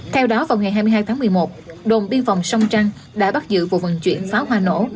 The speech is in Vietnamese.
theo đó vào ngày hai mươi hai tháng một mươi một đồn biên phòng sông trăng đã bắt giữ vụ vận chuyển pháo hoa nổ